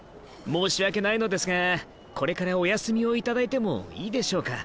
申し訳ないのですがこれからお休みを頂いてもいいでしょうか？